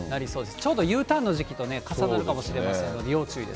ちょうどＵターンの時期と重なるかもしれませんので、要注意です。